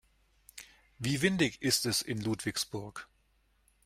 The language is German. Wie windig ist es in Ludwigsburg?